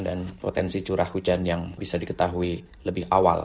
dan potensi curah hujan yang bisa diketahui lebih awal